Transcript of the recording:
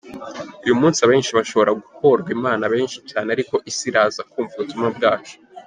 Uyu munsi abenshi bashobora guhorwa Imana, benshi cyane, ariko Isi iraza kumva ubutumwa bwacu.